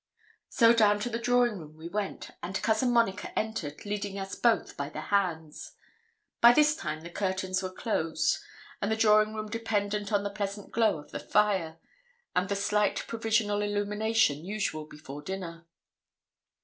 So down to the drawing room we went; and Cousin Monica entered, leading us both by the hands. By this time the curtains were closed, and the drawing room dependent on the pleasant glow of the fire, and the slight provisional illumination usual before dinner.